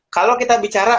kalau kita bicara